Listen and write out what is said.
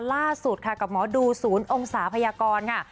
ล่าสุดค่ะกับหมอดูศูนย์องศาพยากรค่ะ